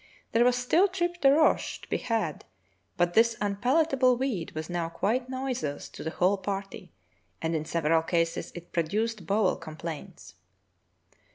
There was still trips de roche to be had, but "this un palatable weed was now quite nauseous to the whole party, and in several cases it produced bowel com plaints.